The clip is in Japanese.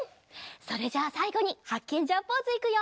それじゃあさいごにハッケンジャーポーズいくよ！